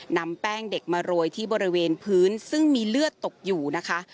นำแป้งเด็กมาโรยที่บริเวณพื้นซึ่งมีเลือดตกอยู่นะคะ